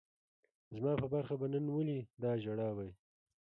زما په برخه به نن ولي دا ژړاوای